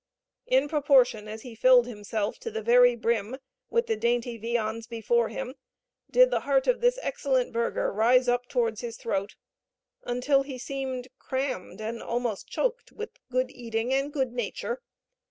In proportion as he filled himself to the very brim with the dainty viands before him did the heart of this excellent burgher rise up towards his throat, until he seemed crammed and almost choked with good eating and good nature.